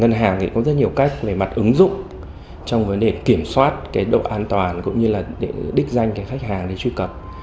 ngân hàng thì có rất nhiều cách về mặt ứng dụng trong vấn đề kiểm soát cái độ an toàn cũng như là để đích danh cái khách hàng để truy cập